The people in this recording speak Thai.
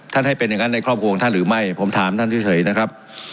ให้เป็นอย่างนั้นในครอบครัวของท่านหรือไม่ผมถามท่านเฉยนะครับ